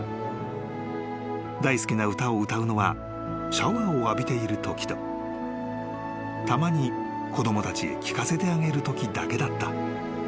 ［大好きな歌を歌うのはシャワーを浴びているときとたまに子供たちへ聞かせてあげるときだけだった］